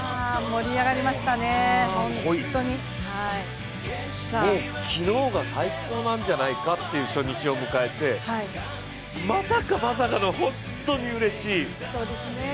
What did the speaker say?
もう昨日が最高なんじゃないかという初日を迎えてまさかまさかの、本当にうれしい。